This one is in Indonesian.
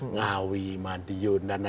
ngawi madiun dan